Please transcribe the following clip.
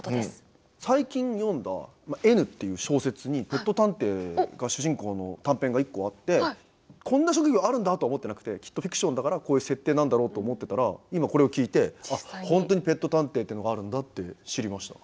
最近読んだ「Ｎ」っていう小説にペット探偵が主人公の短編が１個あってこんな職業あるんだとは思ってなくてきっとフィクションだからこういう設定なんだろうと思ってたら今これを聞いてあっ本当にペット探偵ってのがあるんだって知りました。